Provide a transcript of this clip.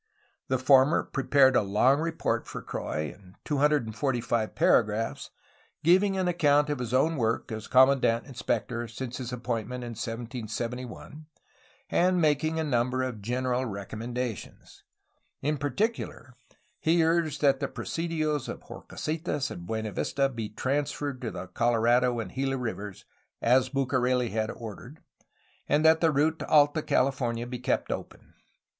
The former prepared a long report for Croix, in 245 paragraphs, giving an account of his own work as com mandant inspector since his appointment in 1771, and making a number of general recommendations. In particular he urged that the presidios of Horcasitas and Buenavista be transferred to the Colorado and Gila rivers, as Bucareli had ordered, and that the route to Alta California be kept open.